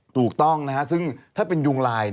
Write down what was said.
ถูกต้องนะฮะซึ่งถ้าเป็นยุงลาย